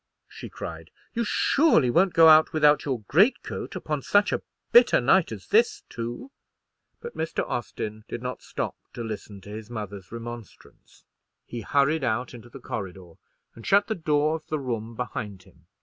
she cried, "you surely won't go out without your greatcoat—upon such a bitter night as this, too!" But Mr. Austin did not stop to listen to his mother's remonstrance; he hurried out into the corridor, and shut the door of the room behind him.